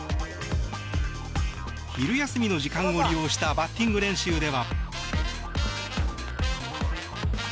昼休みの時間を利用したバッティング練習では。